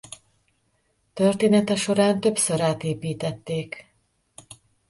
Története során többször átépítették.